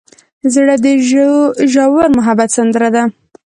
زړه د ژور محبت سندره ده.